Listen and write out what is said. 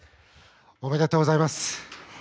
おめでとうございます。